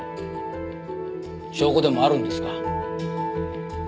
証拠でもあるんですか？